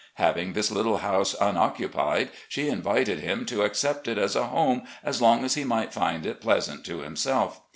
Having this little house unoccupied, she invited him to accept it as a home as long as he might find it pleasant to himself.